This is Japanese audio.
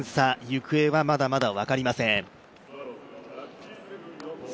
行方はまだまだ分かりません。